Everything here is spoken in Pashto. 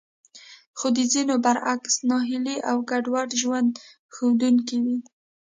خو د ځينو برعکس ناهيلي او ګډوډ ژوند ښودونکې وې.